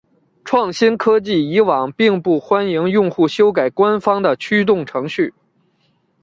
创新科技以往并不欢迎用户修改官方的驱动程序。